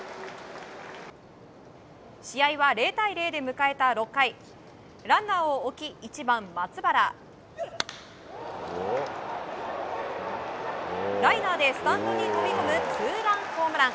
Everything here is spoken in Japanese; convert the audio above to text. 試合は０対０で迎えた６回ランナーを置きライナーでスタンドに飛び込むツーランホームラン！